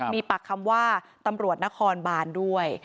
มีปากคำว่าตำรวจนครบานด้วย